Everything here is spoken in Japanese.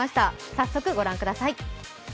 早速ご覧ください。